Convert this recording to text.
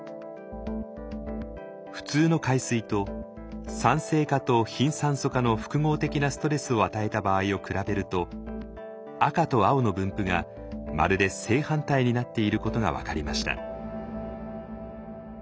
普通の海水と酸性化と貧酸素化の複合的なストレスを与えた場合を比べると赤と青の分布がまるで正反対になっていることが分かりました。